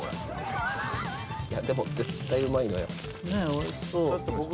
おいしそう。